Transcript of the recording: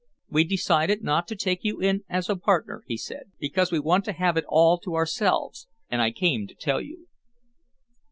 "We decided not to take you in as a partner," he said, "because we want to have it all to ourselves and I came to tell you."